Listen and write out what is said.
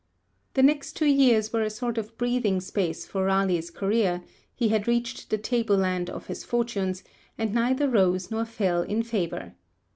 The next two years were a sort of breathing space in Raleigh's career; he had reached the table land of his fortunes, and neither rose nor fell in favour.